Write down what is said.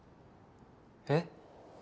えっ？